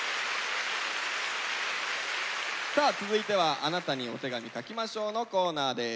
さあ続いては「あなたにお手紙書きましょう」のコーナーです。